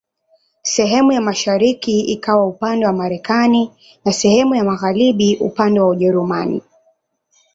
Sehemu ya mashariki ikawa upande wa Marekani na sehemu ya magharibi upande wa Ujerumani.